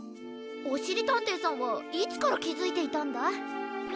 おしりたんていさんはいつからきづいていたんだ？